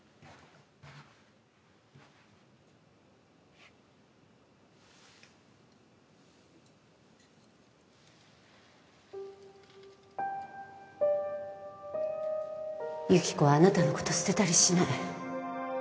綾乃：由紀子はあなたのこと捨てたりしない。